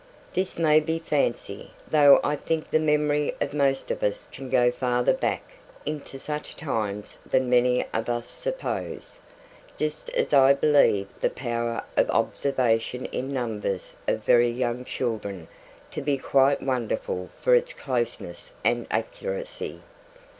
This may be fancy, though I think the memory of most of us can go farther back into such times than many of us suppose; just as I believe the power of observation in numbers of very young children to be quite wonderful for its closeness and accuracy.